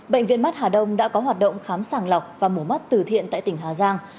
bệnh viện mắt hà đông đã có hoạt động khám sàng lọc và mổ mắt từ thiện tại tỉnh hà giang